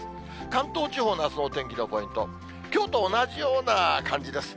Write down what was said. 関東地方のあすのお天気のポイント、きょうと同じような感じです。